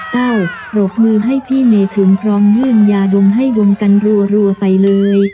ปรบมือให้พี่เมทุนพร้อมยื่นยาดมให้ดมกันรัวไปเลย